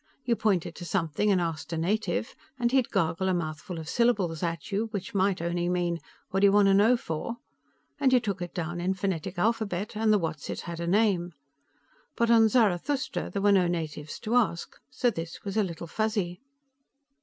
You pointed to something and asked a native, and he'd gargle a mouthful of syllables at you, which might only mean, "Whaddaya wanna know for?" and you took it down in phonetic alphabet and the whatzit had a name. But on Zarathustra, there were no natives to ask. So this was a Little Fuzzy.